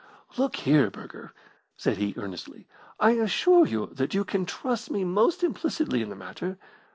"Look here, Burger," said he, earnestly, "I assure you that you can trust me most implicitly in the matter.